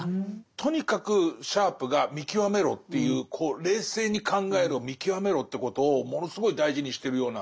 とにかくシャープが見極めろっていう冷静に考えろ見極めろってことをものすごい大事にしてるような気はしますね。